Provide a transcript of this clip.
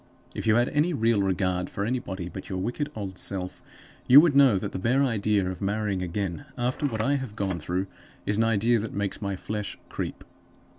If you had any real regard for anybody but your wicked old self, you would know that the bare idea of marrying again (after what I have gone through) is an idea that makes my flesh creep.